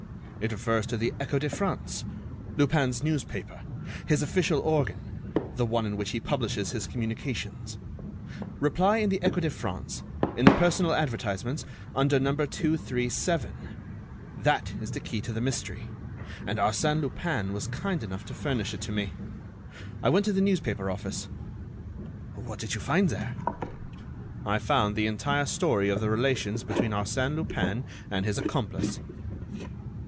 "It refers to the Echo de France, Lupin's newspaper, his official organ, the one in which he publishes his communications. Reply in the Echo de France, in the personal advertisements, under number 237. That is the key to the mystery, and Arsène Lupin was kind enough to furnish it to me. I went to the newspaper office." "What did you find there?" "I found the entire story of the relations between Arsène Lupin and his accomplice."